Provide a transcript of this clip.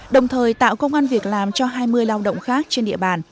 đồng thời tạo công an việc làm cho hai mươi lao động khác trên địa bàn